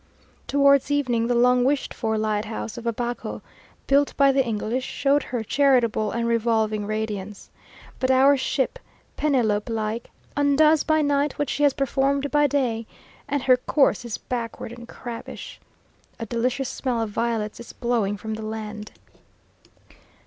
Towards evening the long wished for lighthouse of Abaco (built by the English) showed her charitable and revolving radiance. But our ship, Penelope like, undoes by night what she has performed by day, and her course is backward and crabbish. A delicious smell of violets is blowing from the land.